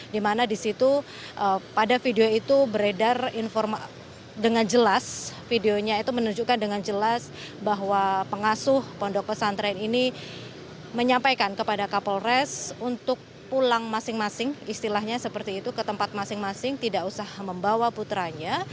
di mana di situ pada video itu beredar dengan jelas bahwa pengasuh ponpes menyampaikan kepada kapolres untuk pulang masing masing istilahnya seperti itu ke tempat masing masing tidak usah membawa putranya